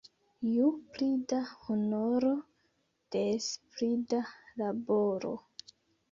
Ju pli da honoro, des pli da laboro.